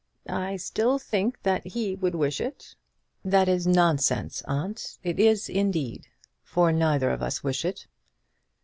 "I still think that he would wish it." "That is nonsense, aunt. It is indeed, for neither of us wish it."